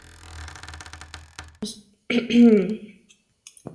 Parte de los premios son elegidos por el público.